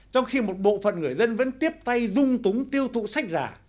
trong khi một bộ phận người dân vẫn tiếp tay dung túng tiêu thụ sách giả